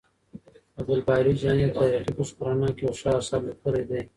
عبدالباري جهاني د تاريخي پېښو په رڼا کې يو ښه اثر ليکلی دی.